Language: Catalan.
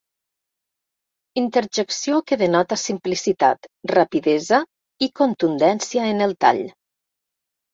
Interjecció que denota simplicitat, rapidesa i contundència en el tall.